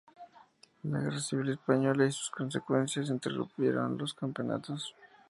La Guerra Civil Española y sus consecuencias interrumpieron los campeonatos.